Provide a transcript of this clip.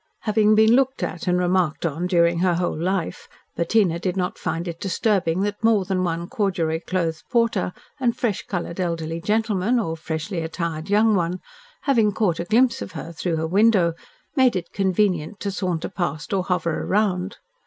Having been looked at and remarked on during her whole life, Bettina did not find it disturbing that more than one corduroy clothed porter and fresh coloured, elderly gentleman, or freshly attired young one, having caught a glimpse of her through her window, made it convenient to saunter past or hover round.